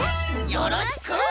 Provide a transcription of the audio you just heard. よろしく！